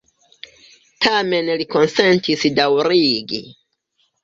Tamen li konsentis daŭrigi.